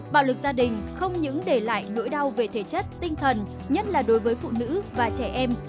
bạo lực gia đình không những để lại nỗi đau về thể chất tinh thần nhất là đối với phụ nữ và trẻ em